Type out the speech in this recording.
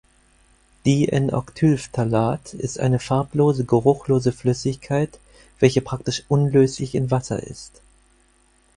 Di-"n"-octylphthalat ist eine farblose geruchlose Flüssigkeit, welche praktisch unlöslich in Wasser ist.